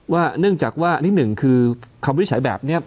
ว่าเนื่องจากว่านิดหนึ่งคือคำวิจัยแบบนี้